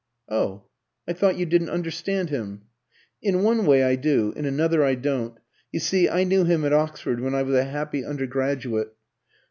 "Oh? I thought you didn't understand him?" "In one way I do, in another I don't. You see I knew him at Oxford when I was a happy undergraduate."